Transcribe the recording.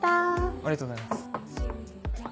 ありがとうございます。